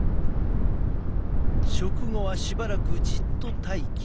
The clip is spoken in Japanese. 食後はしばらくじっと待機。